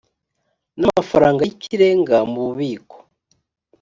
n amafaranga y ikirenga mu bubiko